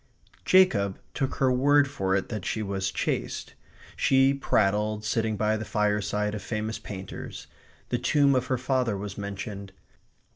Jacob took her word for it that she was chaste. She prattled, sitting by the fireside, of famous painters. The tomb of her father was mentioned.